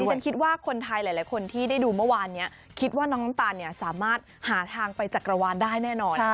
ฉันคิดว่าคนไทยหลายคนที่ได้ดูเมื่อวานนี้คิดว่าน้องน้ำตาลสามารถหาทางไปจักรวาลได้แน่นอน